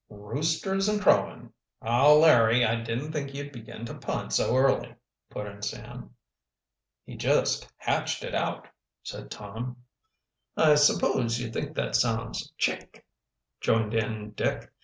"Roosters and crowing! Oh, Larry, I didn't think you'd begin to pun so early," put in Sam. "He just hatched it out," said Tom. "I suppose you think that sounds chic," joined in Dick.